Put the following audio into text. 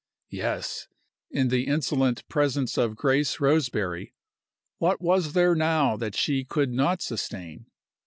Yes! In the insolent presence of Grace Roseberry, what was there now that she could not sustain?